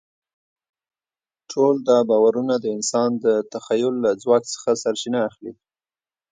ټول دا باورونه د انسان د تخیل له ځواک څخه سرچینه اخلي.